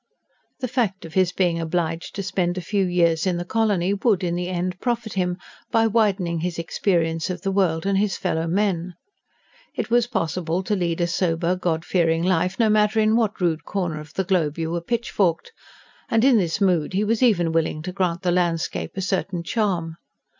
The fact of his being obliged to spend a few years in the colony would, in the end, profit him, by widening his experience of the world and his fellow men. It was possible to lead a sober, Godfearing life, no matter in what rude corner of the globe you were pitchforked. And in this mood he was even willing to grant the landscape a certain charm.